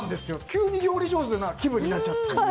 急に料理上手な気分になっちゃって。